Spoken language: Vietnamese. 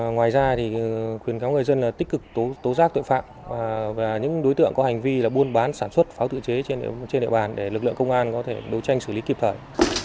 ngoài ra thì khuyến cáo người dân là tích cực tố giác tội phạm và những đối tượng có hành vi là buôn bán sản xuất pháo tự chế trên địa bàn để lực lượng công an có thể đấu tranh xử lý kịp thời